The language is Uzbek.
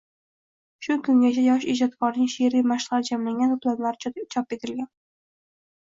Shu kungacha yosh ijodkorning sheʼriy mashqlari jamlangan toʻplamlari chop etilgan.